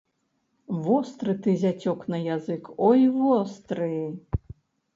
Востры ты, зяцёк, на язык, ой востры!